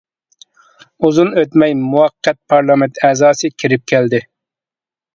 ئۇزۇن ئۆتمەي مۇۋەققەت پارلامېنت ئەزاسى كىرىپ كەلدى.